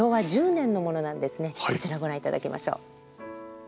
こちらご覧いただきましょう。